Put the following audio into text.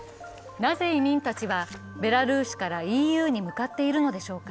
なぜ移民たちはベラルーシからＥＵに向かっているのでしょうか。